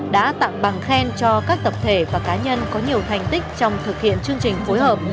đã tặng bằng khen cho các tập thể và cá nhân có nhiều thành tích trong thực hiện chương trình phối hợp